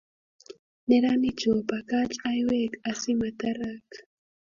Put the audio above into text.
Neranichu opakach aiweek asimatarak